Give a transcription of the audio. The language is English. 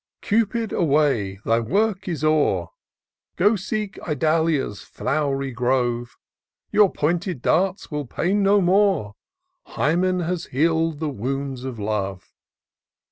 Cupid, away! thy work is o'er; Go seek Idalia's flow'ry grove! Your pointed darts will pain no more ; Hymen has heal'd the wounds of Love.